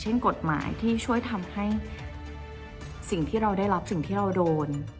กฎหมายที่ช่วยทำให้สิ่งที่เราได้รับสิ่งที่เราโดน